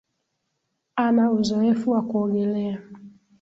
Ana uzoefu wa kuogelea